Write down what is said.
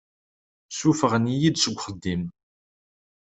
Suffɣen-iyi-d seg uxeddim.